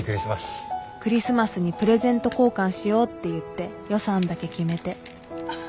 クリスマスにプレゼント交換しようって言って予算だけ決めていざ